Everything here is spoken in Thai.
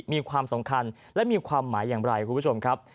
มีความสำคัญและมีความหมายอย่างไรคุณผู้ชมครับ